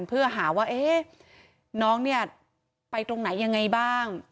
เพื่อหาว่าน้องเนี่ยไปตรงไหนยังไงบ้าง